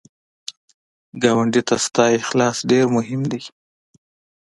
ګاونډي ته ستا اخلاص ډېر مهم دی